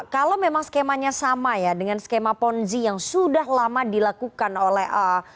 kalau memang skemanya sama ya dengan skema ponzi yang sudah lama dilakukan oleh